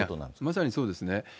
まさにそうですね。